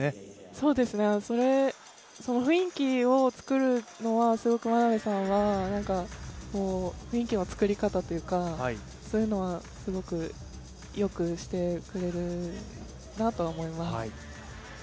そうですね、雰囲気を作るのはすごく眞鍋さんは雰囲気の作り方というか、そういうのはすごくよくしてくれるなとは思います。